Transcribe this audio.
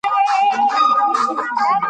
ډاکټره وویل چې خوند اخیستل د فعالیت پیل دی.